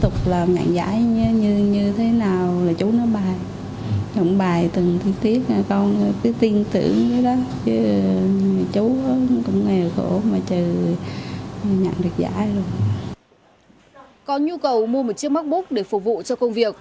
có nhu cầu mua chiếc macbook để phục vụ cho công việc